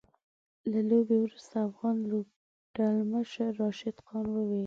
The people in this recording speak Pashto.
له لوبې وروسته افغان لوبډلمشر راشد خان وويل